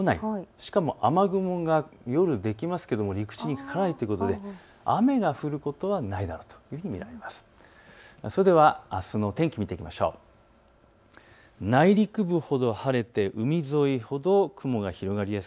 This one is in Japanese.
しかも雨雲ができますけれども陸地には来ないということで雨が降ることはないというふうに見ています。